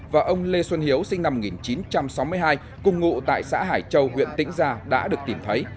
và ông lê xuân hiếu sinh năm một nghìn chín trăm sáu mươi hai cùng ngụ tại xã hải châu huyện tĩnh gia đã được tìm thấy